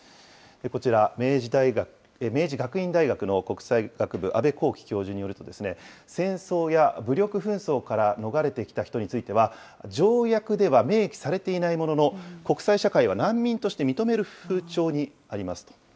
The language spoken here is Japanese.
こちら、明治学院大学の国際学部、阿部浩己教授によると、戦争や武力紛争から逃れてきた人については、条約では明記されていないものの、国際社会は難民として認める風潮にありますと。